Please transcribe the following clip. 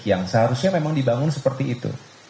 yang seharusnya memang dibangun seperti itu